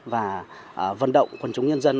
và vận động quần chúng nhân dân